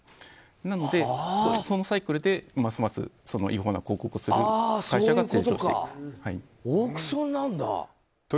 なので、そのサイクルでますます違法な公告をする会社が成長していくんです。